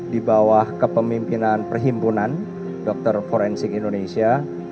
di bawah kepemimpinan perhimpunan dokter forensik indonesia